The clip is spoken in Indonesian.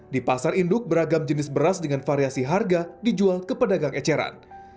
di pasar induk beragam jenis beras dengan variasi harga dijual ke pedagang eceran